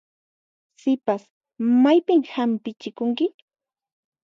Sipas, maypin hampichikunki?